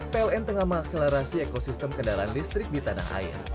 pln tengah mengakselerasi ekosistem kendaraan listrik di tanah air